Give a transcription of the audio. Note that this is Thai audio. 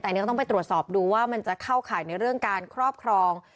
แต่อันนี้ก็ต้องไปตรวจสอบดูว่ามันจะเข้าข่ายในเรื่องการครอบครอง